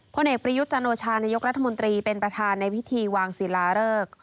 เอกประยุทธ์จันโอชานายกรัฐมนตรีเป็นประธานในพิธีวางศิลาเริก